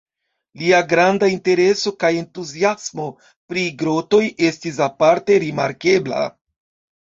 Lia granda intereso kaj entuziasmo pri grotoj estis aparte rimarkebla.